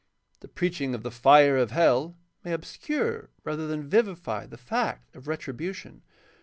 The preaching of the fire of hell may obscure rather than vivify the fact of retribution.